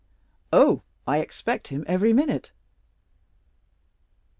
"Oh, I expect him every minute."